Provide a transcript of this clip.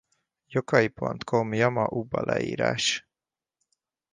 Yokai.com-Jama-uba leírás